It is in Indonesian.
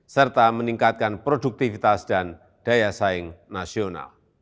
serta meningkatkan produktivitas dan daya saing nasional